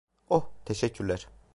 Oh, teşekkürler.